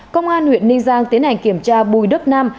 công an huyện ninh giang tiến hành kiểm tra bùi đức nam